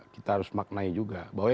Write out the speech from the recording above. kita harus maknai juga